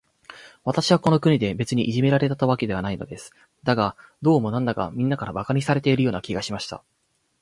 私はこの国で、別にいじめられたわけではないのです。だが、どうも、なんだか、みんなから馬鹿にされているような気がしました。